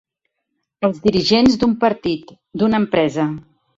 Els dirigents d'un partit, d'una empresa.